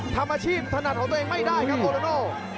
ทำอาชีพถนัดของตัวเองไม่ได้ครับโตโน่